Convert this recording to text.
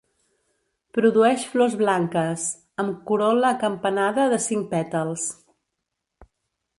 Produeix flors blanques, amb corol·la acampanada de cinc pètals.